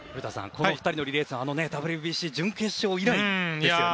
このお二人のリレーはあのＷＢＣの準決勝以来ですよね。